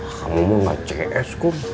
kamu gak cs ko